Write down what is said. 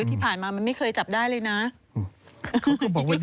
ที่ผ่านมามันไม่เคยจับได้เลยนะ